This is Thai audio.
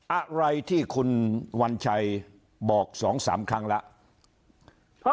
อ่ะอะไรที่คุณวัญชัยบอกสองสามครั้งแล้ว